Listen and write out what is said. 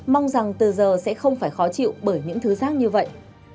mong rằng từ giờ sẽ không phải khó chịu bởi những thứ rác như vậy